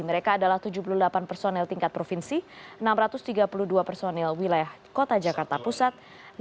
mereka adalah tujuh puluh delapan personel tingkat provinsi enam ratus tiga puluh dua personil wilayah kota jakarta pusat